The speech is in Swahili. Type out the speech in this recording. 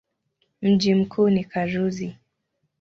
Mji mkuu ni Karuzi.